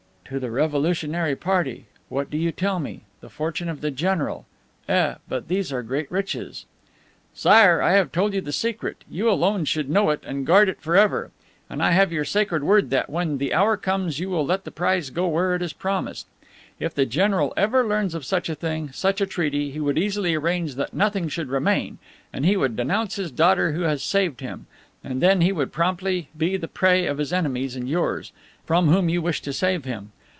"To the Revolutionary Party! What do you tell me! The fortune of the general! Eh, but these are great riches." "Sire, I have told you the secret. You alone should know it and guard it forever, and I have your sacred word that, when the hour comes, you will let the prize go where it is promised. If the general ever learns of such a thing, such a treaty, he would easily arrange that nothing should remain, and he would denounce his daughter who has saved him, and then he would promptly be the prey of his enemies and yours, from whom you wish to save him.